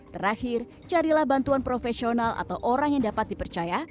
terakhir carilah bantuan profesional atau orang yang dapat dipercaya